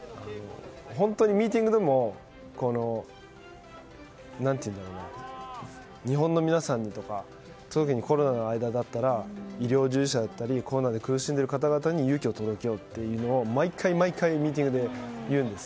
本当にミーティングでも日本の皆さんに、とか特にコロナの間だったら医療従事者だったりとかコロナで苦しんでいる方々に勇気を届けようというのを毎回ミーティングで言うんです。